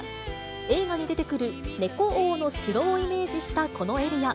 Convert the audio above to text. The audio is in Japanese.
映画に出てくる猫王の城をイメージした、このエリア。